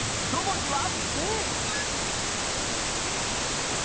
１文字は？